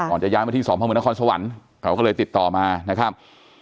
จะย้ายมาที่สพมนครสวรรค์เขาก็เลยติดต่อมานะครับ